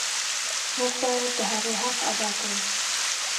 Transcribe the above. موږ باید د هغې حق ادا کړو.